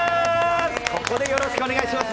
よろしくお願いします。